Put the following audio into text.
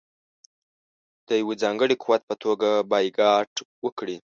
د یوه ځانګړي قوت په توګه بایکاټ وکړي.